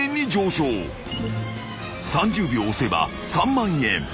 ［３０秒押せば３万円］